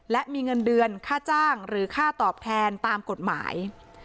และมีเงินเดือนค่าจ้างหรือค่าตอบแทนตามกฎหมาย